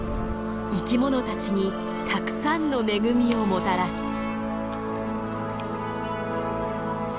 生きものたちにたくさんの恵みをもたらす。